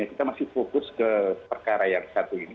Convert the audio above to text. kita masih fokus ke perkara yang satu ini